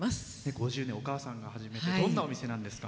５０年、お母さんが始めてどんなお店なんですか？